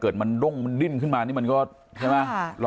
มันด้งมันดิ้นขึ้นมานี่มันก็ใช่ไหม